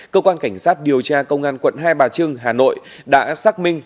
cơ quan cảnh sát điều tra công an quận hai bà trưng hà nội đã xác minh